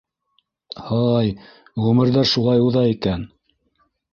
— Һай, ғүмерҙәр шулай уҙа икән!